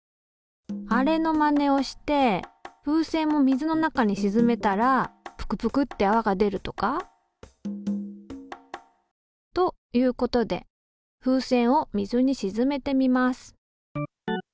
あれのまねをして風船も水の中にしずめたらぷくぷくってあわが出るとか？ということで風船を水にしずめてみます。